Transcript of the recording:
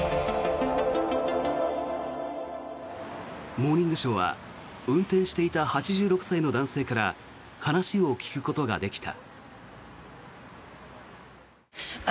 「モーニングショー」は運転していた８６歳の男性から話を聞くことができた。